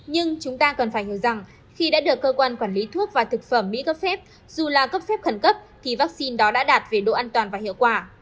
nhưng chúng ta cần phải hiểu rằng khi đã được cơ quan quản lý thuốc và thực phẩm mỹ cấp phép dù là cấp phép khẩn cấp thì vaccine đó đã đạt về độ an toàn và hiệu quả